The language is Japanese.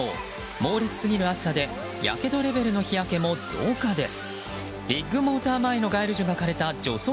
猛烈すぎる暑さでやけどレベルの日焼けも増加です。